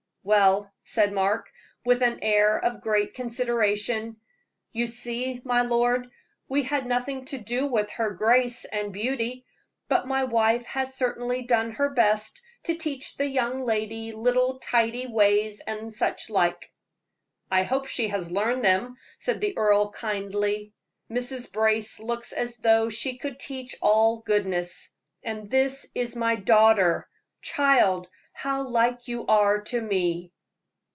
"Well," said Mark, with an air of great consideration, "you see, my lord, we had nothing to do with her grace and beauty; but my wife has certainly done her best to teach the young lady little tidy ways, and such like." "I hope she has learned them," said the earl, kindly. "Mrs. Brace looks as though she could teach all goodness. And this is my daughter! Child, how like you are to me."